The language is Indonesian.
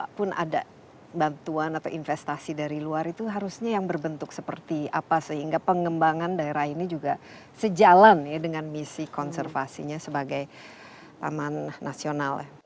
dan kalaupun ada bantuan atau investasi dari luar itu harusnya yang berbentuk seperti apa sehingga pengembangan daerah ini juga sejalan ya dengan misi konservasinya sebagai taman nasional ya